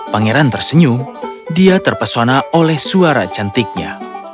pangeran tersenyum dia terpesona oleh suara cantiknya